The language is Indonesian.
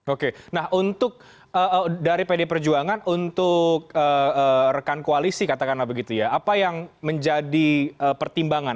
oke nah untuk dari pd perjuangan untuk rekan koalisi katakanlah begitu ya apa yang menjadi pertimbangan